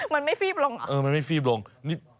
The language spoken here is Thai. มันไม่ฟีบลงเหรอมันไม่ฟีบลงนี่